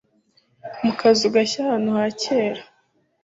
Mu kazu gashya ahantu ha kera